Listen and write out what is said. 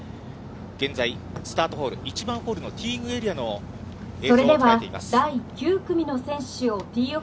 現在、スタートホール、１番ホールのティーイングエリアの映像を捉えています。